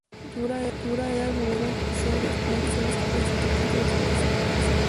Durán era el favorito según sondeos no oficiales con casi siete puntos de diferencia.